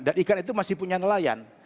dan ikan itu masih punya nelayan